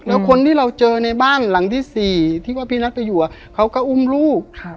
แล้วคนที่เราเจอในบ้านหลังที่๔ที่ว่าพี่รักจะอยู่เขาก็อุ้มลูก